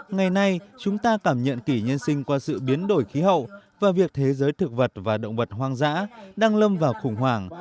ngày nay chúng ta cảm nhận kỷ nhân sinh qua sự biến đổi khí hậu và việc thế giới thực vật và động vật hoang dã đang lâm vào khủng hoảng